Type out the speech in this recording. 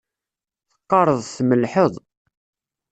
Teqqareḍ tmellḥeḍ